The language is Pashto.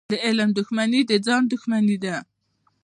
د علم دښمني د ځان دښمني ده.